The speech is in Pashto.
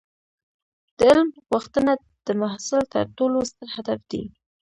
د علم غوښتنه د محصل تر ټولو ستر هدف دی.